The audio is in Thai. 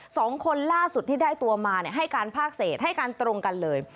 สองคนล่าสุดที่ได้ตัวมาเนี่ยให้การภาคเศษให้การตรงกันเลย